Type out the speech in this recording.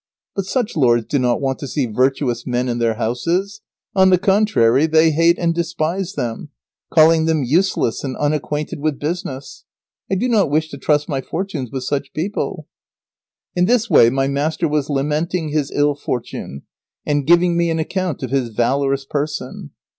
But such lords do not want to see virtuous men in their houses. On the contrary, they hate and despise them, calling them useless and unacquainted with business. I do not wish to trust my fortunes with such people." [Sidenote: When the people came for their rent, the esquire disappeared.] In this way my master was lamenting his ill fortune, and giving me an account of his valorous person.